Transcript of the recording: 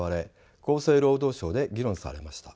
厚生労働省で議論されました。